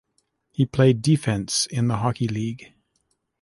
He played defense in the Hockey league.